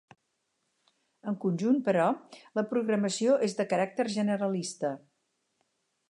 En conjunt, però, la programació és de caràcter generalista.